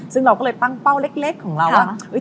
ซึ่งเราก็เลยตั้งเป้าเล็กของเรา